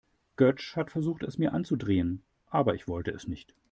Götsch hat versucht, es mir anzudrehen, aber ich wollte es nicht.